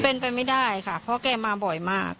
เป็นไปไม่ได้ค่ะเพราะแกมาบ่อยมาก